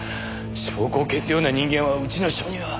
証拠を消すような人間はうちの署には。